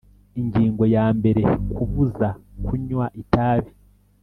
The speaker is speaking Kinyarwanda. ingingo ya mbere kubuza kunywa itabi